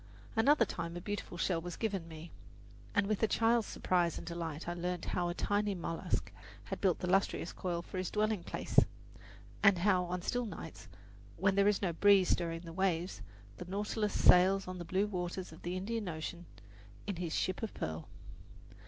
Another time a beautiful shell was given me, and with a child's surprise and delight I learned how a tiny mollusk had built the lustrous coil for his dwelling place, and how on still nights, when there is no breeze stirring the waves, the Nautilus sails on the blue waters of the Indian Ocean in his "ship of pearl."